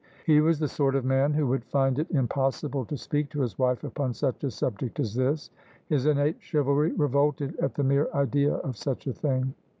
He was the sort of tram who would find it impossible to speak to his wife upon such a subject as this; his innate chivalry revolted at the mere idea of such a thing.